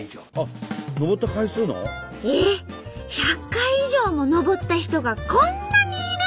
１００回以上も登った人がこんなにいるの？